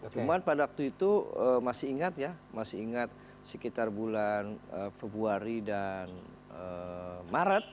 cuma pada waktu itu masih ingat ya masih ingat sekitar bulan februari dan maret